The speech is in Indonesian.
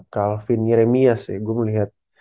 calvin nyerimia sih gue melihat